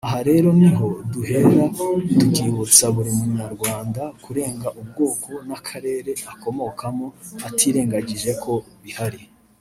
Aha rero niho duhera tukibutsa buri munyarwanda kurenga ubwoko n’akarere akomokamo atirengagije ko bihari